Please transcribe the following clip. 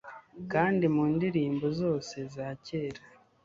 Kandi mu ndirimbo zose za kera